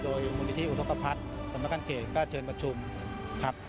โดยมูลนิธิอุทธกภัทรสำนักการเขตก็เชิญประชุมครับ